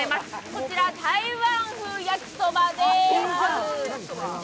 こちら、台湾風焼きそばです。